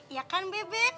ya kan bebe